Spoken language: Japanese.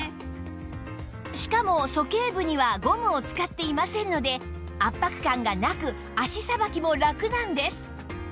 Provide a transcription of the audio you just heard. しかもそけい部にはゴムを使っていませんので圧迫感がなく足さばきもラクなんです